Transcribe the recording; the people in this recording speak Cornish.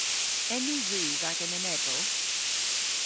En ni rudh agan enebow?